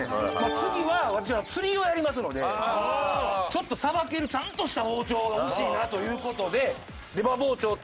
次は私は釣りをやりますのでちょっと捌けるちゃんとした包丁が欲しいなという事で出刃包丁と牛刀と。